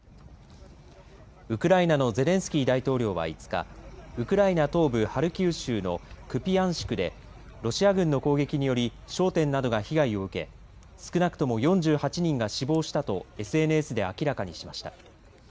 ウクライナのゼレンスキー大統領は５日ウクライナ東部ハルキウ州のクピヤンシクでロシア軍の攻撃により商店などが被害を受け少なくとも４８人が死亡したとＳＮＳで明らかにしました。